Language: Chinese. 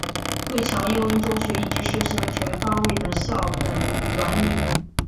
惠侨英文中学一直实行全方位的校本管理。